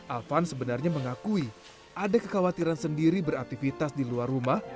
afan sebenarnya mengakui ada kekhawatiran sendiri beraktivitas di luar rumah